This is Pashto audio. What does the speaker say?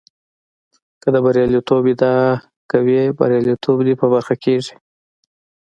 که د برياليتوب ادعا کوې برياليتوب دې په برخه کېږي.